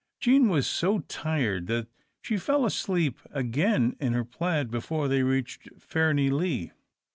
Jean was so tired that she fell asleep again in her plaid before they reached Fairnilee.